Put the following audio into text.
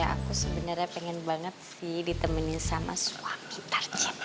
aku sebenarnya pengen banget sih ditemenin sama suami